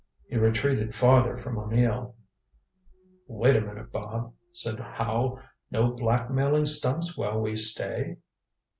He retreated farther from O'Neill. "Wait a minute, Bob," said Howe. "No blackmailing stunts while we stay?"